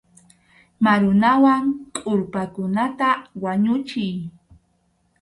Marunawan kʼurpakunata wañuchiy.